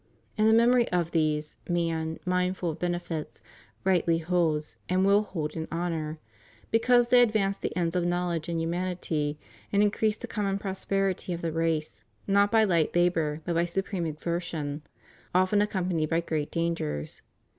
And the memory of these, man, mindful of benefits, rightly holds, and will hold in honor; because they advanced the ends of knowledge and humanity, and increased the common prosperity of the race, not by light labor, but by supreme exertion, often accompanied by great dangers.